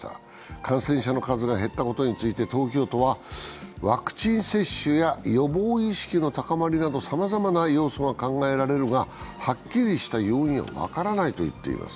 感染者の数が減ったことについて東京都はワクチン接種や予防意識の高まりなどさまざな要素が考えられるがはっきりした要因は分からないと言っています。